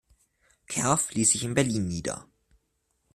Cerf ließ sich in Berlin nieder.